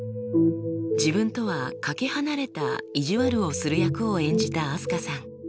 自分とはかけ離れた意地悪をする役を演じたあすかさん。